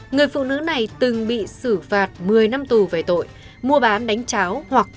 người phụ nữ này từng bị xử phạt một mươi năm tù về tội mua bán đánh cháo hoặc